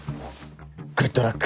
グッドラック。